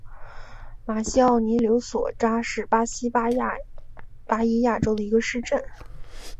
马西奥尼柳索扎是巴西巴伊亚州的一个市镇。